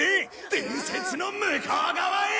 伝説の向こう側へ！